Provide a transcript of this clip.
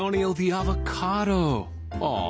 ああ